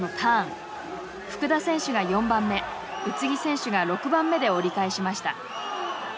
福田選手が４番目宇津木選手が６番目で折り返しました。